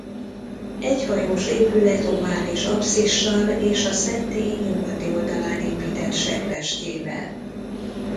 Egyhajós épület ovális apszissal és a szentély nyugati oldalán épített sekrestyével.